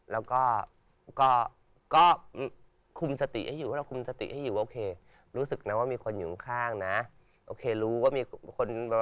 แล้วคุณรู้ตัวเองไหมคุณนั่งนานไหน